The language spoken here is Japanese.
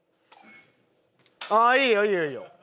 ああいいよいいよいいよ。